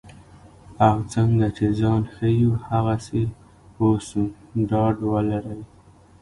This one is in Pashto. او څنګه چې ځان ښیو هغسې اوسو ډاډ ولرئ.